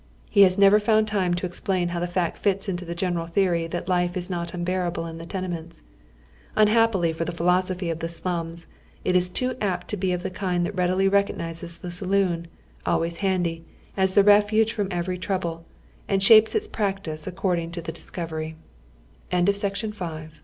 lie has never found time to explain haw the fact fits into his general theory that life is not nnbeai'able in the tene ments. Unhappily for the philosophy of the slums, it is too apt to be of the kind that readily recognizes the saloon, always handy, as the refuge from every trouble, and shapes its practi